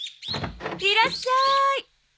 いらっしゃーい。